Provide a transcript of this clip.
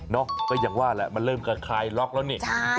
เนาะก็อย่างว่าแหละมันเริ่มกระคายล็อคแล้วเนี่ย